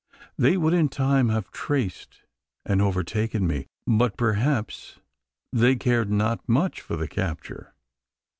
They would in time have traced, and overtaken me; but perhaps they cared not much for the capture.